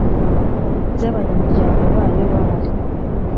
By abanyamuryango bayo bahari